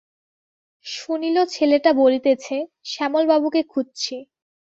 শুনিল ছেলেটা বলিতেছে, শ্যামলবাবুকে খুঁজছি।